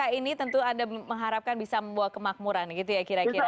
mobil smk ini tentu anda mengharapkan bisa membuat kemakmuran gitu ya kira kira